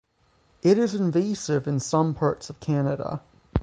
It is invasive in some parts of Canada.